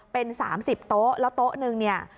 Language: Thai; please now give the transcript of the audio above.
เป็น๓๐โต๊ะแล้วโต๊ะนึงเนี่ย